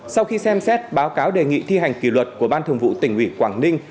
sau khi xem xét báo cáo đề nghị thi hành kỷ luật của ban thường vụ tỉnh ủy quảng ninh